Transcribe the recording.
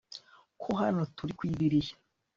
ko hano turi ku idirishya